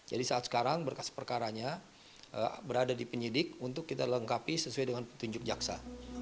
jadi saat sekarang berkas perkaranya berada di penyidik untuk kita lengkapi sesuai dengan petunjuk jaksa